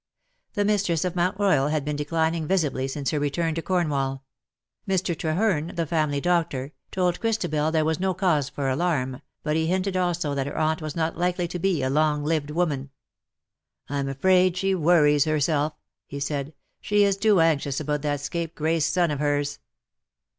The mistress of Mount Royal had been declining visibly since her return to Cornwall ; Mr. Treherne, the family doctor, told Christabel there was no cause for alarm, but he hinted also that her aunt was not likely to be a long lived woman. " I'm afraid she worries herself,^' he said ;" she is too anxious about that scapegrace son of hers.'"'